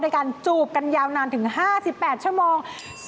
โดยการจูบกันยาวนานถึง๕๘ชั่วโมง